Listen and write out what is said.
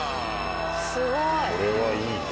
すごい。